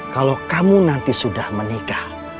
kalau kamu nanti sudah menikah